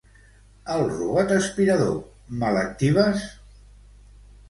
El robot aspirador, me l'actives?